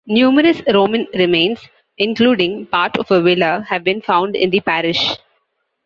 Numerous Roman remains, including part of a villa have been found in the parish.